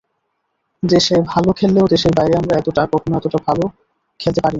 দেশে ভালো খেললেও দেশের বাইরে আমরা এখনো ততটা ভালো খেলতে পারিনি।